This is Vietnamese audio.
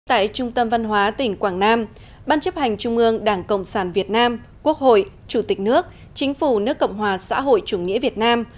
tại trung tâm văn hóa tỉnh quảng nam ban chấp hành trung ương đảng cộng sản việt nam quốc hội chủ tịch nước chính phủ nước cộng hòa xã hội chủ nghĩa việt nam